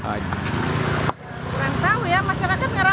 kurang tahu ya masyarakat tidak tahu